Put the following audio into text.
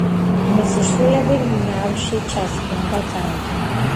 მისი შვილები ნავში ჩასხდნენ და წავიდნენ.